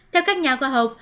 theo các nhà khoa học